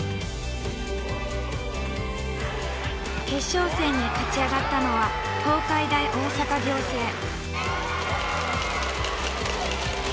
決勝戦に勝ち上がったのは東海大大阪仰星。